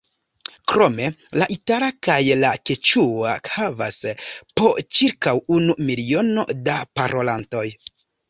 Krome la itala kaj la keĉua havas po ĉirkaŭ unu miliono da parolantoj.